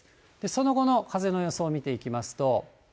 その後の風の予想を見ていきますと。